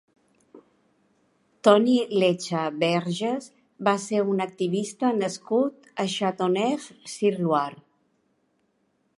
Toni Lecha Berges va ser un activista nascut a Châteauneuf-sur-Loire.